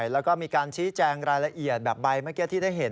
แล้วก็มีการชี้แจงรายละเอียดแบบใบเมื่อกี้ที่ได้เห็น